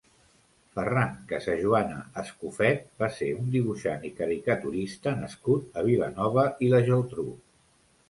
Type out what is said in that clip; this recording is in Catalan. Ferran Casajuana Escofet va ser un dibuixant i caricaturista nascut a Vilanova i la Geltrú.